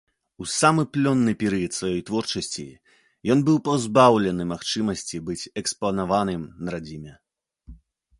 У самы плённы перыяд сваёй творчасці ён быў пазбаўлены магчымасці быць экспанаваным на радзіме.